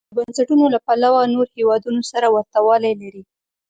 د بنسټونو له پلوه نورو هېوادونو سره ورته والی لري.